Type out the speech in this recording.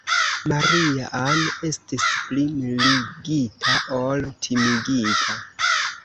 Maria-Ann estis pli mirigita ol timigita.